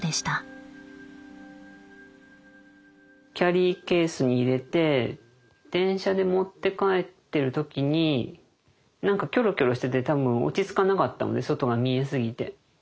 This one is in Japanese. キャリーケースに入れて電車で持って帰ってる時に何かキョロキョロしてて多分落ち着かなかったので外が見え過ぎて。